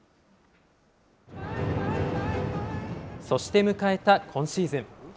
そして迎えた今シーズン。